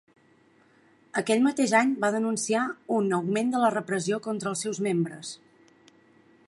Aquell mateix any va denunciar un "augment de la repressió contra els seus membres".